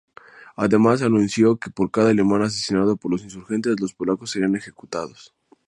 Además, anunció que por cada alemán asesinado por los insurgentes, los polacos serían ejecutados.